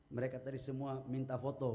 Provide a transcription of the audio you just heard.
mereka tadi semua minta foto